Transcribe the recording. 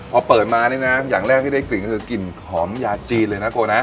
พอเปิดมานี่นะอย่างแรกที่ได้กลิ่นก็คือกลิ่นหอมยาจีนเลยนะโกนะ